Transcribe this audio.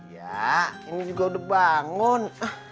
ya ini juga udah bangun